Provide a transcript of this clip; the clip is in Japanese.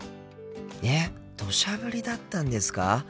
えっどしゃ降りだったんですか？